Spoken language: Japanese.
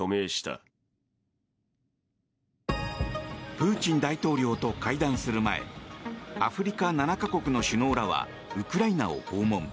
プーチン大統領と会談する前アフリカ７か国の首脳らはウクライナを訪問。